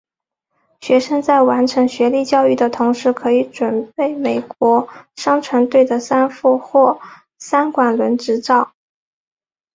学生在完成学历教育的同时可以准备美国商船队的三副或三管轮执照。